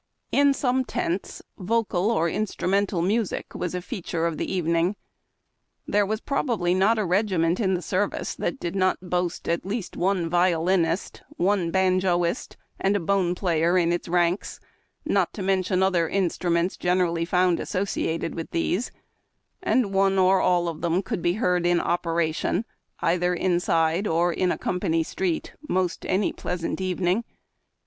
In some tents vocal or instrumental music was a feature of the evening. There was probably not a regiment in the service that did not boast at least one violinist, one banjoist, and a bone player in its ranks — not to mention other instruments generally found associated with these — and one or all of them could be heard in operation, either inside or in a company street, most any pleasant evening.